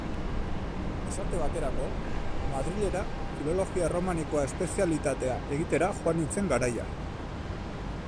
Esate baterako, Madrilera Filologia Erromanikoa espezialitatea egitera joan nintzen garaia.